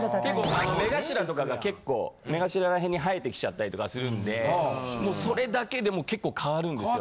あの目頭とかが結構目頭らへんに生えてきちゃったりとかするんでもうそれだけでも結構変わるんですよ。